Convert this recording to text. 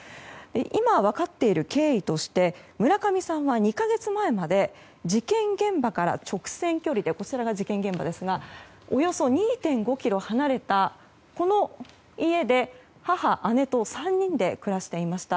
今、分かっている経緯として村上さんは２か月前まで事件現場から直線距離でおよそ２．５ｋｍ離れたこの家で母、姉と３人で暮らしていました。